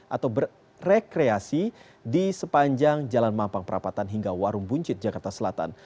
atau berrekreasi di sepanjang jalan mampang perapatan hingga warung buncit jakarta selatan